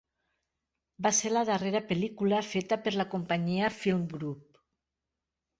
Va ser la darrera pel·lícula feta per la companyia Filmgroup.